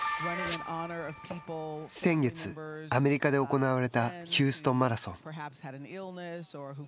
先月、アメリカで行われたヒューストンマラソン。